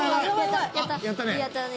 やったね。